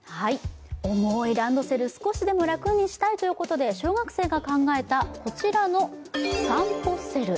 重いランドセル少しでも楽にしたいと小学生が考えた、こちらのさんぽセル。